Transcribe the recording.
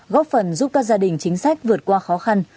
góp phần giúp các gia đình chính sách vượt qua khó khăn